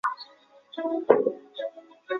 其中李双泽是影响胡德夫最深的朋友。